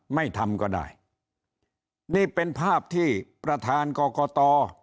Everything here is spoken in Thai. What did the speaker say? ไม่ทำก็ได้นี่เป็นภาพที่ประธานกรกต